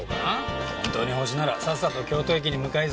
本当にホシならさっさと京都駅に向かいそうなもんだ。